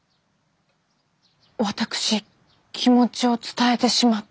私気持ちを伝えてしまった。